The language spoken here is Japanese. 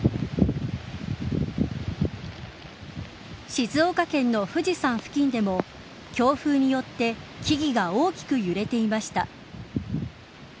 静岡県の富士山付近でも強風によって木々が大きく揺れていました。